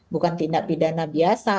bukan tindak pidana biasa